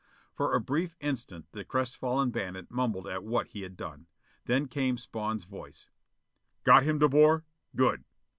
For a brief instant the crestfallen bandit mumbled at what he had done. Then came Spawn's voice: "Got him, De Boer? Good!"